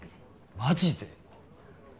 マジで！？